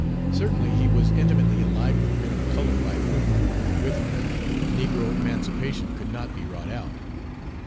Certainly, he was intimately allied with men of color by whom, or with whom, negro emancipation could not be wrought out.